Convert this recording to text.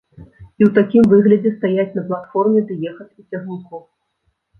І ў такім выглядзе стаяць на платформе ды ехаць у цягніку.